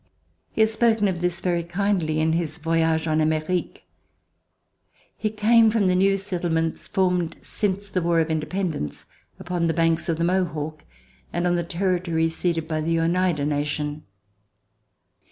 He has spoken of this very kindly in his "Voyage en Ame rique." He came from the new settlements formed since the War of Independence upon the banks of the Mohawk and on the territory ceded by the Oneida nation.